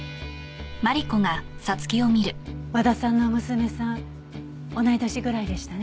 和田さんの娘さん同い年ぐらいでしたね。